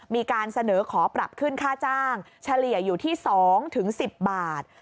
มีการเสนอขอปรับขึ้นค่าจ้างเฉลี่ยอยู่ที่๒๑๐บาท